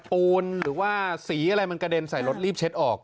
ปูนหรือว่าสีอะไรมันกระเด็นใส่รถรีบเช็ดออก